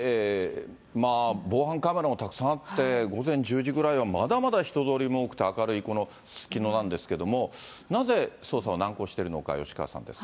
防犯カメラもたくさんあって、午前１０時ぐらいはまだまだ人通りも多くて明るいこのすすきのなんですけれども、なぜ捜査は難航しているのか、吉川さんです。